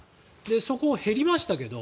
そこは減りましたけど